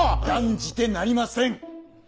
断じてなりません！